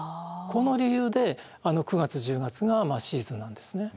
この理由で９月１０月がシーズンなんですね。